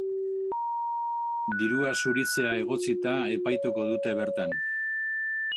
Dirua zuritzea egotzita epaituko dute bertan.